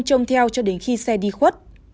trông theo cho đến khi xe đi khuất